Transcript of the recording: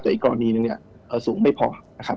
แต่อีกกรณีหนึ่งเนี่ยสูงไม่พอนะครับ